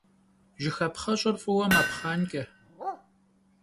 Jjıxapxheş'er f'ıue mepxhanç'e.